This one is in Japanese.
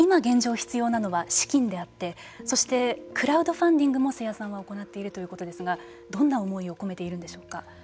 必要なのは資金であってそしてクラウドファンディングも瀬谷さんは行っているということですがどんな思いを込めているんでしょうか。